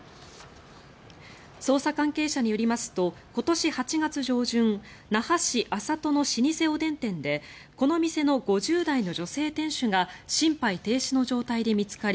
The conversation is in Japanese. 捜査関係者によりますと今年８月上旬那覇市安里の老舗おでん店でこの店の５０代の女性店主が心肺停止の状態で見つかり